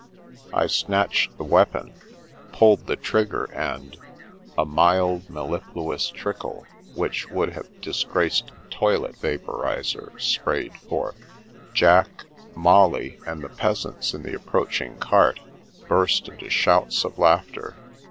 I snatched the weapon, pulled the trigger, and — a mild, mellifluous trickle which would have dis graced a toilet vaporiser sprayed forth. Jack, Molly, and the peasants in the approaching cart burst into shouts of laughter.